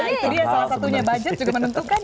nah itu dia salah satunya budget juga menentukan